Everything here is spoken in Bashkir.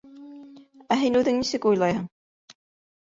— Ә һин үҙең нисек уйлайһың?